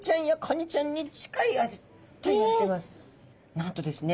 なんとですね